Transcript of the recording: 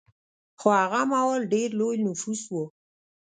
خو هغه مهال ډېر لوی نفوس و